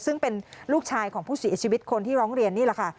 ซึ่งเป็นลูกชายของผู้เสียชีวิตคนที่ร้องเรียนนี่แหละค่ะ